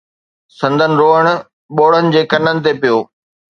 سندن روئڻ ٻوڙن جي ڪنن تي پيو.